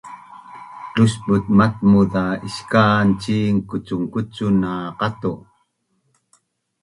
Lusbut matmuz za iskan cin kukucun na qatu’